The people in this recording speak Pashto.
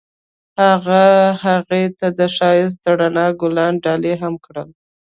هغه هغې ته د ښایسته رڼا ګلان ډالۍ هم کړل.